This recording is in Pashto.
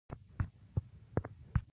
د ماشومتوب خوشحالي د ژوند تر پایه دوام کوي.